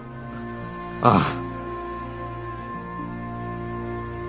ああ。